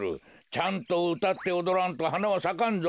ちゃんとうたっておどらんとはなはさかんぞ。